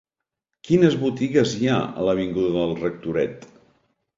Quines botigues hi ha a l'avinguda del Rectoret?